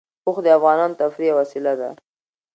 اوښ د افغانانو د تفریح یوه وسیله ده.